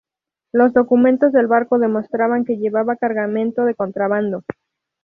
Los documentos del barco demostraban que llevaba cargamento de contrabando.